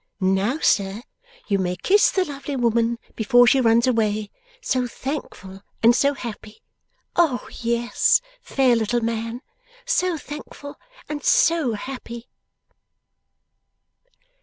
Now, sir, you may kiss the lovely woman before she runs away, so thankful and so happy. O yes, fair little man, so thankful and so happy!